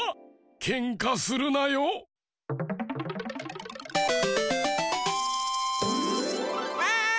けんかするなよ。わい！